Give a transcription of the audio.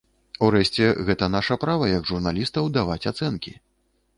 Урэшце, гэта наша права як журналістаў даваць ацэнкі.